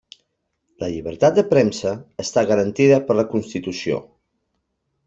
La llibertat de premsa està garantida per la constitució.